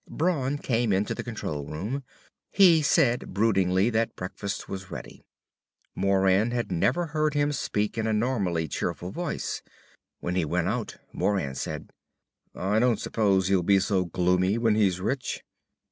Brawn came into the control room. He said broodingly that breakfast was ready. Moran had never heard him speak in a normally cheerful voice. When he went out, Moran said; "I don't suppose he'll be so gloomy when he's rich!"